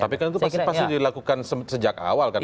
tapi kan itu pasti dilakukan sejak awal kan